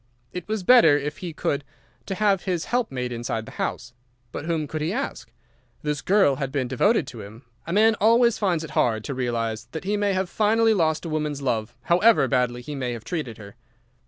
It was better, if he could, to have his helpmate inside the house. But whom could he ask? This girl had been devoted to him. A man always finds it hard to realize that he may have finally lost a woman's love, however badly he may have treated her.